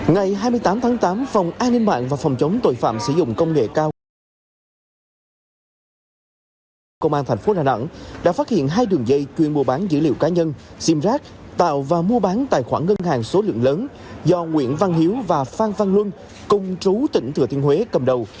ngày hai mươi tám tháng tám phòng an ninh mạng và phòng chống tội phạm sử dụng công nghệ cao của công an thành phố đà nẵng đã phát hiện hai đường dây chuyên mua bán dữ liệu cá nhân simzak tạo và mua bán tài khoản ngân hàng số lượng lớn do nguyễn văn hiếu và phan văn luân cùng trú tỉnh đà nẵng